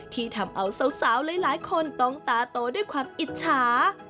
ที่ทำเอาสาวหลายคนต้องตาโตด้วยความอิจฉา